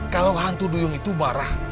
kalau hantu duyung itu marah